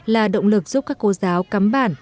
là động lực giúp các cô giáo cắm bản